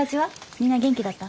みんな元気だった？